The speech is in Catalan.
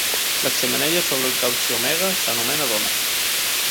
La xemeneia sobre el Cauchy Omega s'anomena Donna.